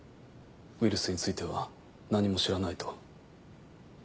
ウイルスについては何も知らないと。